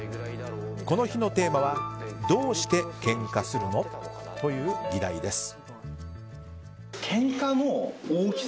この日のテーマはどうしてケンカするの？という議題です。